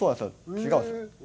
違うんです。